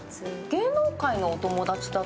芸能界のお友達だと？